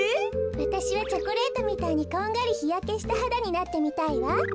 わたしはチョコレートみたいにこんがりひやけしたはだになってみたいわ。